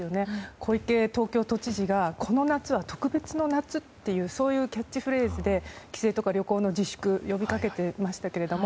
小池東京都知事がこの夏は特別の夏というそういうキャッチフレーズで帰省とか旅行の自粛呼びかけていましたけれども。